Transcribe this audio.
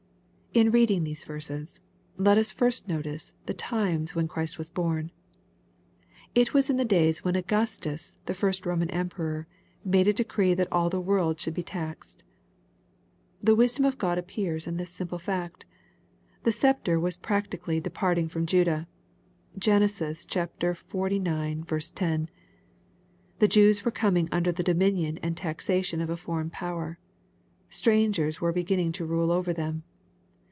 In reading these verses, let us first notice the times when Christ was born. It was in the days when Augus tus, the first Boman emperor, made '^ a decree that all the world should be taxed." The wisdom of God appears in this simple fact. The gceptre was practically departing from Judah. (Gen, xlix. 10.) The Jews were coming under the dominion and taxation of a foreign power. Strangers were beginning to rule over them.